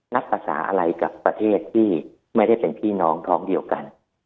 นักภาษาอะไรกับประเทศที่ไม่ได้เป็นพี่น้องท้องเดียวกัน